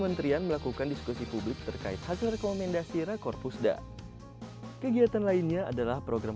bank indonesia juga memiliki rangkaian kegiatan rakor pusdat di yogyakarta